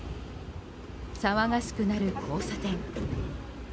騒がしくなる交差点。